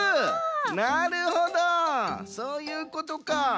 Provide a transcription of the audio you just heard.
なるほどそういうことか。